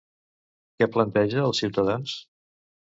Què planteja als ciutadans?